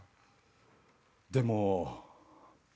でも。